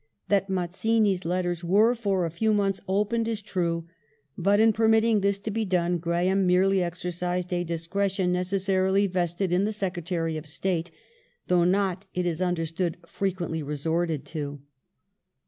That Mazzini's lettei s were, for a few months, opened is true : but in permitting this to be done Graham merely exercised a discretion necessarily vested in the Secretary of State, though not, it is understood, fre quently resorted to.